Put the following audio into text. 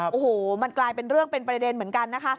โอ้โหมันกลายเป็นเรื่องเป็นประเด็นเหมือนกันนะคะ